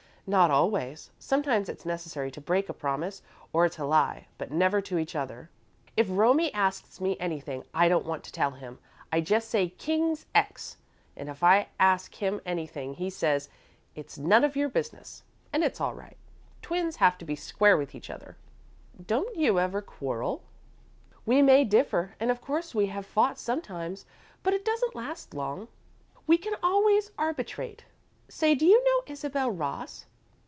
"Not always. Sometimes it's necessary to break a promise, or to lie, but never to each other. If Romie asks me anything I don't want to tell him, I just say 'King's X,' and if I ask him anything, he says 'it's none of your business,' and it's all right. Twins have to be square with each other." "Don't you ever quarrel?" "We may differ, and of course we have fought sometimes, but it doesn't last long. We can always arbitrate. Say, do you know Isabel Ross?"